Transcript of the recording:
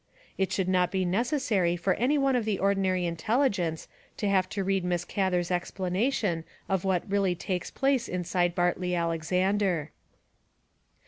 It should not be necessary for any one of ordinary intelligence to have to read Miss Gather's explanation of what really takes place inside Bartley Alexander.